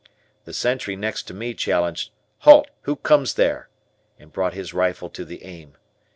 The sentry next to me challenged, "Halt, Who Comes There?" and brought his rifle to the aim.